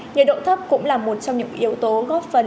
nhiệt độ thấp cũng là một trong những yếu tố góp phần